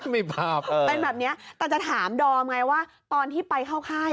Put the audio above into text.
ภาพเป็นแบบนี้แต่จะถามดอมไงว่าตอนที่ไปเข้าค่าย